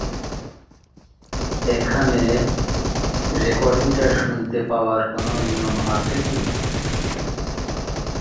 গানে কণ্ঠ দিয়েছেন উমা খান, আসিফ আকবর, আগুন, ও রঞ্জন চৌধুরী।